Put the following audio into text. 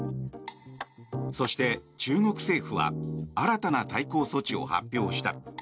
そして、中国政府は新たな対抗措置を発表した。